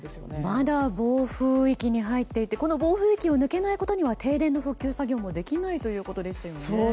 まだ暴風域に入っていて暴風域を抜けないことには停電の復旧作業もできないということですね。